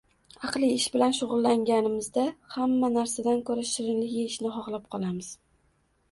aqliy ish bilan shug‘ullanganimizda hamma narsadan ko‘ra shirinlik yeyishni xohlab qolamiz.